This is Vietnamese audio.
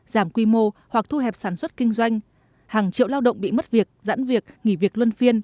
giảm quy mô hoặc thu hẹp sản xuất kinh doanh hàng triệu lao động bị mất việc giãn việc nghỉ việc luân phiên